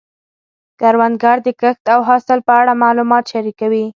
کروندګر د کښت او حاصل په اړه معلومات شریکوي